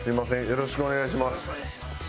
よろしくお願いします。